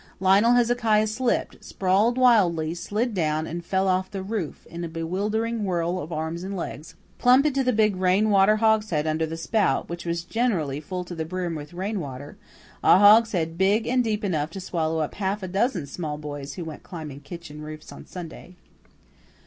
Lionel Hezekiah slipped, sprawled wildly, slid down, and fell off the roof, in a bewildering whirl of arms and legs, plump into the big rain water hogshead under the spout, which was generally full to the brim with rain water, a hogshead big and deep enough to swallow up half a dozen small boys who went climbing kitchen roofs on a Sunday.